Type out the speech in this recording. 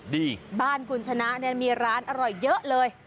ดีบ้านคนชนะมีร้านอร่อยเยอะเลย